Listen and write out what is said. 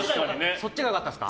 そっちが良かったですか？